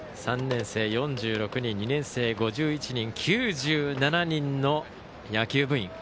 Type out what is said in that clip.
３年生、４６人２年生、５１人９７人の野球部員。